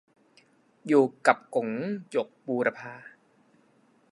อยู่กับก๋ง- หยก บูรพา